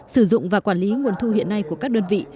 sử dụng và quản lý nguồn thu hiện nay của các đơn vị